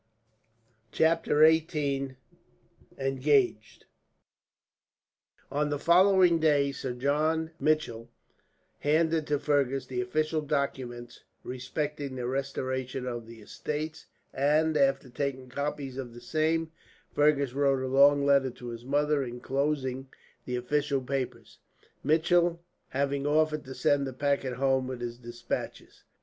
Chapter 18: Engaged. On the following day, Sir John Mitchell handed to Fergus the official documents respecting the restoration of the estates and, after taking copies of the same, Fergus wrote a long letter to his mother, inclosing the official papers, Mitchell having offered to send the packet home with his despatches.